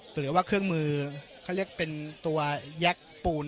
หรือว่าเครื่องมือเขาเรียกเป็นตัวแยกปูน